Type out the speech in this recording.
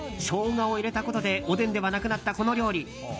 ショウガを入れたことでおでんではなくなったこの料理。